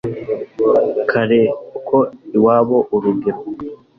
karere k iwabo urugero